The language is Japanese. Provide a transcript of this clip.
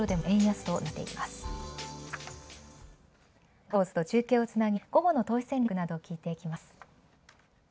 では続いて東証アローズと中継をつなぎ午後の投資戦略などを聞いていきます。